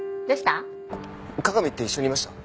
加賀美って一緒にいました？